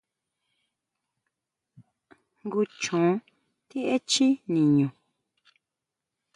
¿Jngu chjon ti echjí niñu?